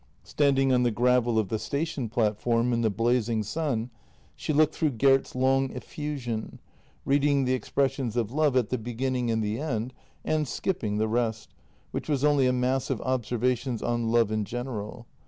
Standing on the gravel of the station platform in the blazing sun, she looked through Gert's long effusion, reading the expressions of love at the be ginning and the end and skipping the rest, which was only a mass of observations on love in general.